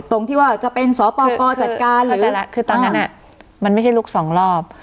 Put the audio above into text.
ตรงที่ว่าจะเป็นสปกรจัดการหรืออะไรคือตอนนั้นมันไม่ใช่ลุกสองรอบ